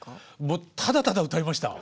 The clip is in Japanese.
もうただただ歌いました。